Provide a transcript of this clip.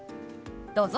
どうぞ。